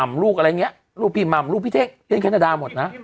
ไม่ต้องลูกพี่หม่ำมีลูกพี่เทศเข้นส์แครนดาส์หมดนะ